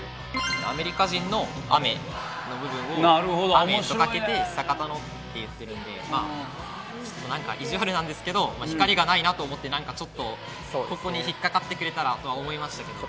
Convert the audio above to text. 「アメリカ人」の「アメ」の部分を「雨」とかけて「久方の」って言ってるんでちょっと何か意地悪なんですけど「光」がないなと思って何かちょっとここに引っ掛かってくれたらとは思いましたけど。